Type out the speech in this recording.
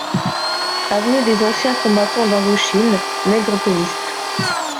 Avenue des Anciens Combattants d'Indochine, Nègrepelisse